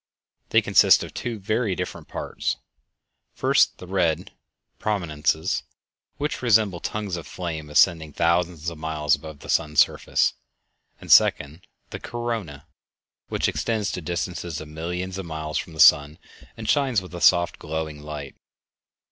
They consist of two very different parts—first, the red "prominences," which resemble tongues of flame ascending thousands of miles above the sun's surface; and, second, the "corona," which extends to distances of millions of miles from the sun, and shines with a soft, glowing light.